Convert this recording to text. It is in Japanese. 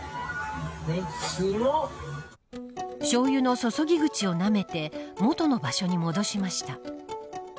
しょうゆの注ぎ口をなめて元の場所に戻しました。